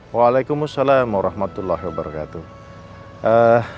waalaikumsalam warahmatullahi wabarakatuh